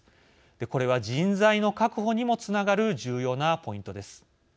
これは人材の確保にもつながる重要なポイントです。